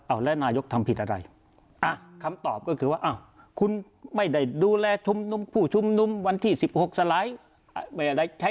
อะแล้วนายกทำผิดอะไร